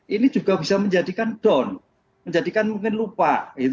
ini juga bisa menjadikan down menjadikan mungkin lupa